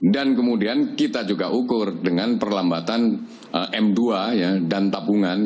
kemudian kita juga ukur dengan perlambatan m dua dan tabungan